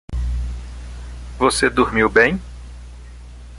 Você dormiu bem?